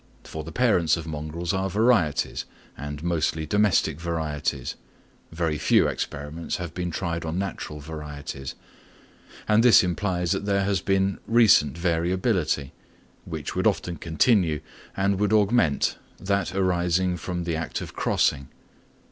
For the parents of mongrels are varieties, and mostly domestic varieties (very few experiments having been tried on natural varieties), and this implies that there has been recent variability; which would often continue and would augment that arising from the act of crossing.